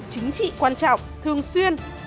chính trị quan trọng thường xuyên